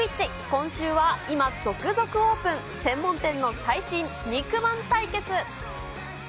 今週は、今続々オープン、専門店の最新肉まん対決。